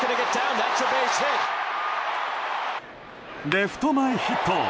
レフト前ヒット！